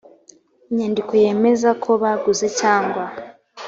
inyandiko yemeza ko baguze cyangwa